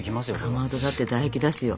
かまどだって唾液出すよ。